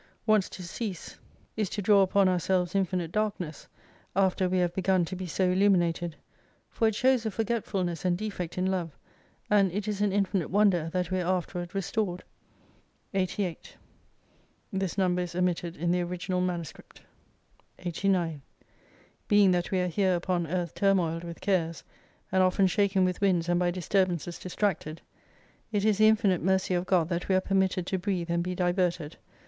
Once to cease is to draw upon our 142 selves infinite darkness, after we have begun to be so illuminated : for it shows a forgetfulness and defect in love, and it is an infinite wonder that we are afterward restored. 88 [This number is omitted in the original MS.] 89 Being that we are here upon Earth turmoiled with cares, and often shaken with winds and by disturbances distracted : it is the infinite Mercy of God that we are permitted to breathe and be diverted.